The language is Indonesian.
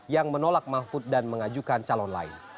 yang menolak mahfud dan mengajukan calon lain